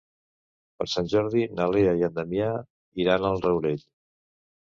Per Sant Jordi na Lea i en Damià iran al Rourell.